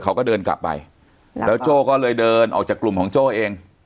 เขาก็เดินกลับไปแล้วโจ้ก็เลยเดินออกจากกลุ่มของโจ้เอง